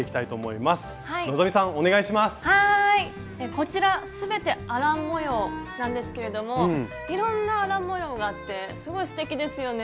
こちらすべてアラン模様なんですけれどもいろんなアラン模様があってすごいすてきですよね。